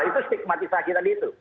itu stigmatisasi tadi itu